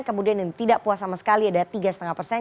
kemudian yang tidak puas sama sekali ada tiga lima persen